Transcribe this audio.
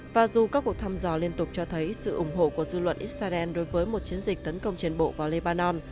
và dù các cuộc thăm dò liên tục cho thấy sự ủng hộ của dư luận israel đối với một chiến dịch tấn công trên bộ vào leban